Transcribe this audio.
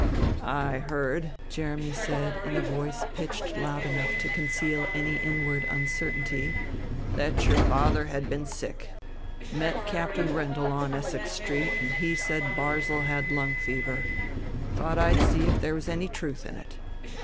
"I heard," Jeremy said in a voice pitched loud enough to conceal any inward uncertainty, "that your father had been sick. Met Captain Rendell on Essex Street and he said Barzil had lung fever. Thought I'd see if there was any truth in it."